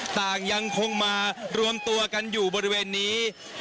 ต่างยังคงมารวมตัวกันอยู่บริเวณนี้